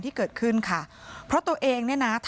พี่น้องของผู้เสียหายแล้วเสร็จแล้วมีการของผู้เสียหาย